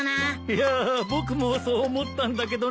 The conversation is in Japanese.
いや僕もそう思ったんだけどね。